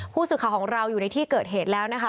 ผู้สื่อข่าวของเราอยู่ในที่เกิดเหตุแล้วนะคะ